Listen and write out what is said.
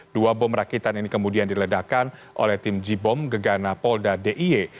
dua bom rakitan ini kemudian diledakkan oleh tim j bom gegana polda d i e